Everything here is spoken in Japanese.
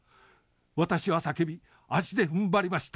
私は叫び足でふんばりました。